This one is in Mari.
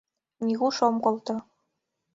— Нигуш ом колто!